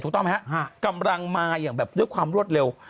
ถูกต้องไหมครับกำลังมายังได้ความรวดร็ว